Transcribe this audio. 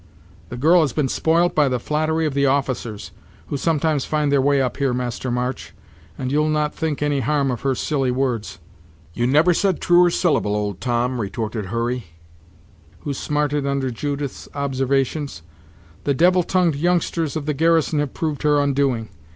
The girl has been spoilt by the flattery of the officers, who sometimes find their way up here, Master March, and you'll not think any harm of her silly words." "You never said truer syllable, old Tom," retorted Hurry, who smarted under Judith's observations; "the devil tongued youngsters of the garrison have proved her undoing!